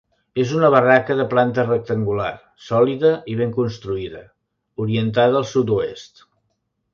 És una barraca de planta rectangular, sòlida i ben construïda orientada al sud-oest.